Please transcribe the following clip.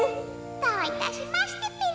どういたしましてペラ。